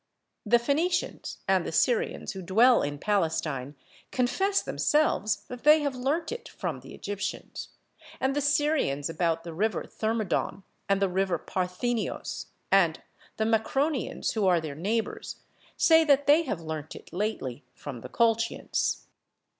The Phenicians and the Syrians who dwell in Palestine confess themselves that they have learnt it from the Egyptians, and the Syrians about the river Thermodon and the river Parthenios, and the Macronians, who are their neighbors, say that they have learnt it lately from the Colchians.